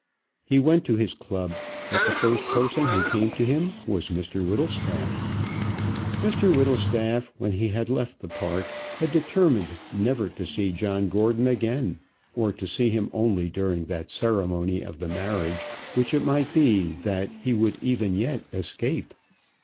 He went to his club, but the first person who came to him was Mr Whittlestaff. Mr Whittlestaff when he had left the park had determined never to see John Gordon again, or to see him only during that ceremony of the marriage, which it might be that he would even yet escape.